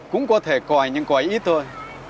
cũng có thể còi nhưng còi ít thôi